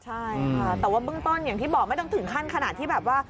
ใช่ค่ะแต่ว่าเบื้องต้นอย่างที่บอกไม่ต้องถึงขั้นขนาดที่แบบว่า